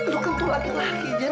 lo kan tuh laki laki jen